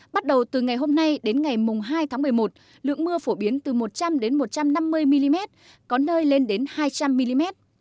bắt đầu từ ngày hôm nay đến ngày hai tháng một mươi một lượng mưa phổ biến từ một trăm linh một trăm năm mươi mm có nơi lên đến hai trăm linh mm